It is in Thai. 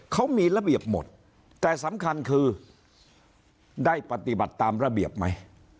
เขามีระเบียบหมดแต่สำคัญคือได้ปฏิบัติตามระเบียบไหม